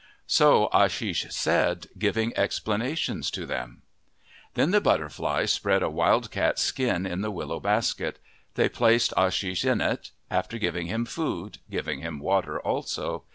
So Ashish said, giving explanations to them. Then the butterflies spread a wildcat's skin in the willow basket. They placed Ashish in it, after giving him food, giving him water also.